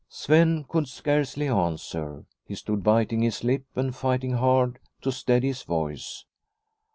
Sven could scarcely answer. He stood biting his lip and fighting hard to steady his voice.